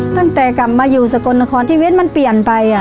ตั้งแต่กลับมาอยู่สกลนครชีวิตมันเปลี่ยนไป